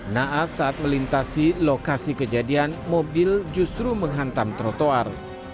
naas saat melintasi lokasi kejadian mobil justru menghantam trotoar